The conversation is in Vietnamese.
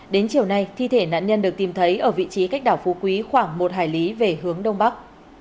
đến chiều nay thi thể nạn nhân được tìm thấy ở vị trí cách đảo phú quý khoảng một hải lý về hướng đông bắc